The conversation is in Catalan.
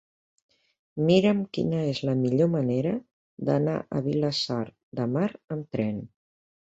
Mira'm quina és la millor manera d'anar a Vilassar de Mar amb tren.